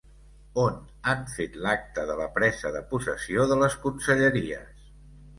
On han fet l'acte de la presa de possessió de les conselleries?